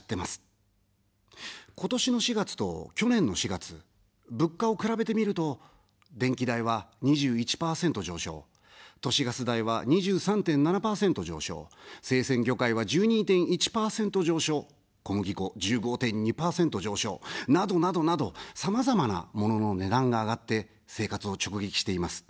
今年の４月と去年の４月、物価を比べてみると、電気代は２１％上昇、都市ガス代は２３．７％上昇、生鮮魚介は１２．１％上昇、小麦粉１５．２％上昇などなどなど、さまざまな、モノの値段が上がって生活を直撃しています。